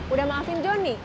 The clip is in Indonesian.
udah maafin jonny